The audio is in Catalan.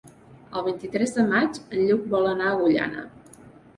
El vint-i-tres de maig en Lluc vol anar a Agullana.